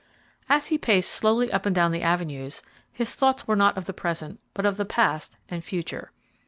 As he paced slowly up and down the avenues, his thoughts were not of the present, but of the past and future.